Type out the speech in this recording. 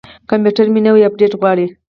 کمپیوټر مې نوی اپډیټ غواړي.